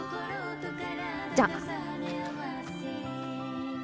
じゃあ。